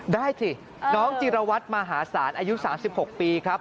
ได้สิน้องจิรวัตรมหาศาลอายุ๓๖ปีครับ